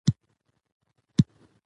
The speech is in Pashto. باسواده ښځې د کلتوري مراسمو پالنه کوي.